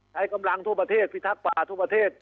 ใช้กำลังทั่วประเทศพิทักษ์ป่าทั่วประเทศ